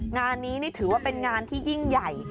งานนี้นี่ถือว่าเป็นงานที่ยิ่งใหญ่